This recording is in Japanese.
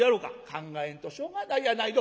「考えんとしょうがないやないの。